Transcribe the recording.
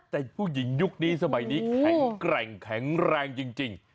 แต่ผู้หญิงยุคนี้สมัยนี้แข็งแรงจริง